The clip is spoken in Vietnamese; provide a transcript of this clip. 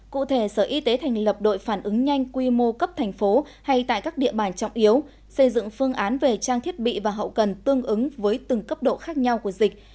cụ thể sở y tế thành lập đội phản ứng nhanh quy mô cấp thành phố hay tại các địa bàn trọng yếu xây dựng phương án về trang thiết bị và hậu cần tương ứng với từng cấp độ khác nhau của dịch